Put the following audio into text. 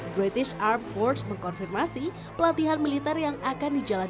british armed forces mengkonfirmasi pelatihan militer yang akan dijalankan